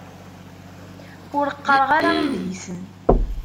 Ur qqaṛeɣ ara idlisen.